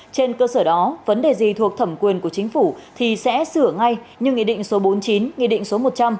trên cơ sở đó vấn đề gì thuộc thẩm quyền của chính phủ thì sẽ sửa ngay như nghị định số bốn mươi chín nghị định số một trăm linh